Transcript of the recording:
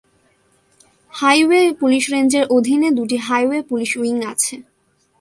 Highway police রেঞ্জের অধীনে দুটি হাইওয়ে পুলিশ উইং আছে।